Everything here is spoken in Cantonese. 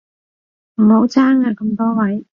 唔好爭啊咁多位